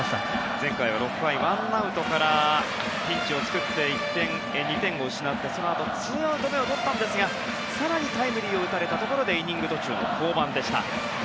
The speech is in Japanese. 前回は６回１アウトからピンチを作って２点を失って、そのあと２アウト目を取ったんですが更にタイムリーを打たれたところでイニング途中の降板でした。